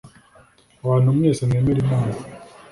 abantu mwese mwemera Imana,